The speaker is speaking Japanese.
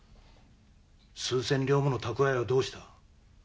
数千両もの蓄えはどうした？